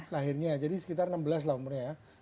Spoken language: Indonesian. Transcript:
lahirnya jadi sekitar enam belas lah umurnya ya